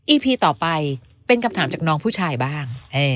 พีต่อไปเป็นคำถามจากน้องผู้ชายบ้าง